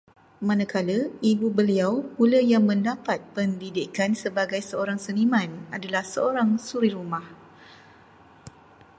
Manakala ibu beliau pula yang mendapat pendidikan sebagai seorang seniman, adalah seorang suri rumah